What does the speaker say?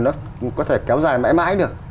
nó có thể kéo dài mãi mãi được